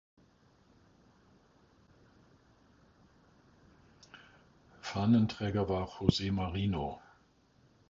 Fahnenträger war Jose Marino.